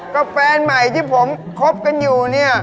แฟนใหม่ที่ผมคบกันอยู่เนี่ย